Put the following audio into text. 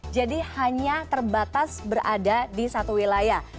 jadi hanya terbatas berada di satu wilayah